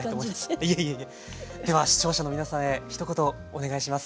では視聴者の皆さんへひと言お願いします。